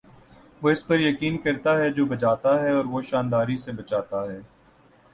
وہ اس پر یقین کرتا ہے جو بجاتا ہے اور وہ شانداری سے بجاتا ہے